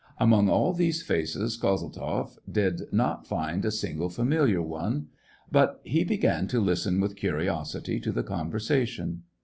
Among all these faces, Kozeltzoff did not find a single familiar one ; but he began to listen with curiosity to the conversation.